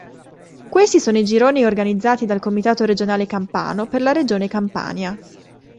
Questi sono i gironi organizzati dal Comitato Regionale Campano per la regione Campania.